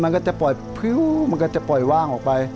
มันก็จะปล่อยพริ้วมันก็จะปล่อยว่างออกไป